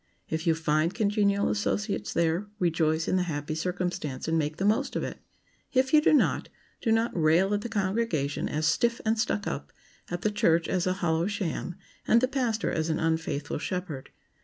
If you find congenial associates there, rejoice in the happy circumstance and make the most of it. If you do not, do not rail at the congregation as "stiff and stuck up," at the church as a hollow sham, and the pastor as an unfaithful shepherd.